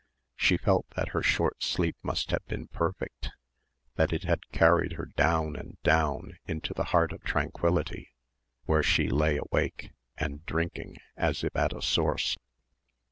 She felt that her short sleep must have been perfect, that it had carried her down and down into the heart of tranquillity where she still lay awake, and drinking as if at a source.